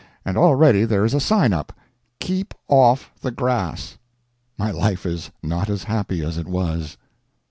And already there is a sign up: KEEP OFF THE GRASS My life is not as happy as it was.